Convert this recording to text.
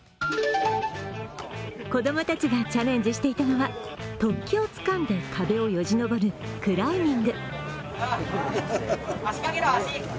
子供たちがチャレンジしていたのは突起をつかんで壁をよじ登るクライミング。